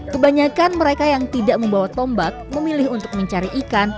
kebanyakan mereka yang tidak membawa tombak memilih untuk mencari ikan